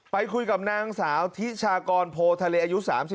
ไปคุยกับนางสาวทิชากรโพทะเลอายุ๓๒